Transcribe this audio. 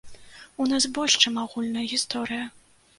У нас больш, чым агульная гісторыя.